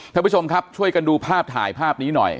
ท่านผู้ชมครับช่วยกันดูภาพถ่ายภาพนี้หน่อย